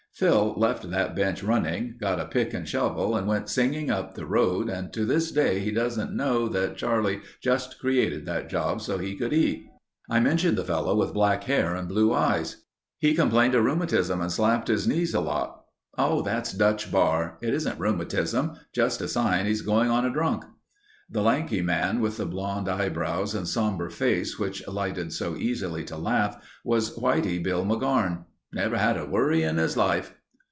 "Phil left that bench running, got a pick and shovel and went singing up the road and to this day he doesn't know that Charlie just created that job so he could eat." I mentioned the fellow with black hair and blue eyes. "He complained of rheumatism and slapped his knees a lot." "Oh, that's Dutch Barr. It isn't rheumatism. Just a sign he's going on a drunk." The lanky man with the blond eyebrows and sombre face which lighted so easily to laugh, was Whitey Bill McGarn. "... Never had a worry in his life...."